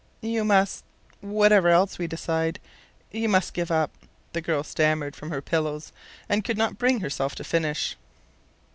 "You must whatever else we decide you must give up " the girl stammered from her pillows, and could not bring herself to finish.